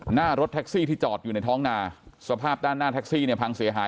หน้ารถแท็กซี่ที่จอดอยู่ในท้องนาสภาพด้านหน้าแท็กซี่เนี่ยพังเสียหาย